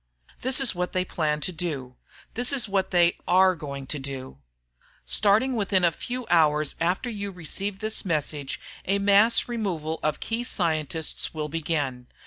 This is what they plan to do this is what they are going to do. Starting within a few hours after you receive this message, a mass removal of key scientists will begin.